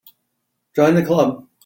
Join the Club.